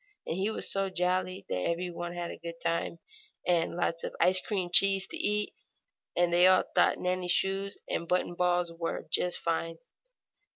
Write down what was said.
And he was so jolly that every one had a good time and lots of ice cream cheese to eat, and they all thought Nannie's shoes, and the button ball buttons, were just fine.